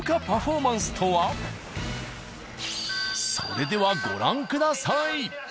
それではご覧ください。